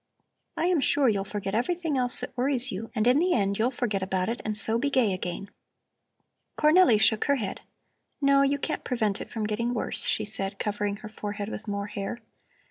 I am sure you'll forget everything else that worries you, and in the end you'll forget about it and so be gay again." Cornelli shook her head. "No, you can't prevent it from getting worse," she said, covering her forehead with more hair.